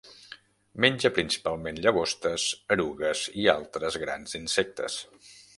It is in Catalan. Menja principalment llagostes, erugues i altres grans insectes.